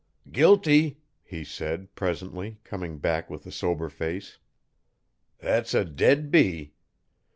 'Guilty!' he said, presently, coming back with a sober face. 'Thet's a dead bee.